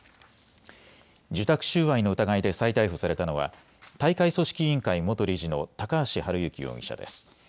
受託収賄の疑いで再逮捕されたのは大会組織委員会元理事の高橋治之容疑者です。